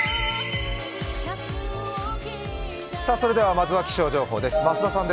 まずは気象情報です。